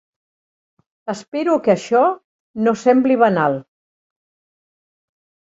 Espero que això no sembli banal.